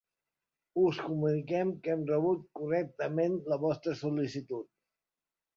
Us comuniquem que hem rebut correctament la vostra sol·licitud.